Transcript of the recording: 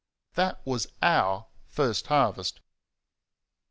That was OUR first harvest.